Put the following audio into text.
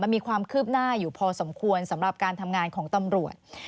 มีความคืบหน้าอยู่พอสมควรสำหรับการทำงานของตำรวจ